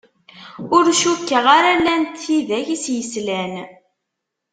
Ur cukkeɣ ara llant tidak i s-yeslan.